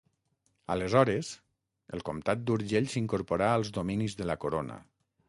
Aleshores, el comtat d'Urgell s'incorporà als dominis de la Corona.